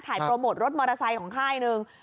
โปรโมทรถมอเตอร์ไซค์ของค่ายหนึ่ง